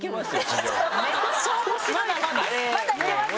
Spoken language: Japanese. まだいけます？